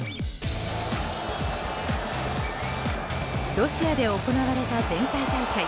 ロシアで行われた前回大会。